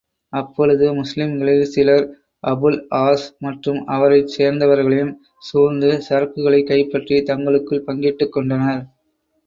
அப்பொழுது முஸ்லிம்களில் சிலர், அபுல் ஆஸ் மற்றும் அவரைச் சேர்ந்தவர்களையும் சூழ்ந்து, சரக்குகளைக் கைப்பற்றி, தங்களுக்குள் பங்கிட்டுக் கொண்டனர்.